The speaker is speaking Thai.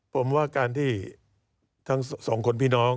ผมว่าการที่ทั้งสองคนพี่น้อง